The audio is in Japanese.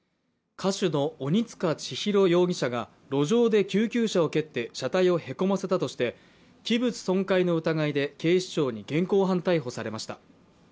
歌手の鬼束ちひろ容疑者が路上で救急車を蹴って車体をへこませたとして器物損壊の疑いで警視庁に現行犯逮捕されました。